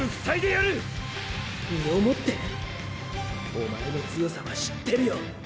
おまえの強さは知ってるよ。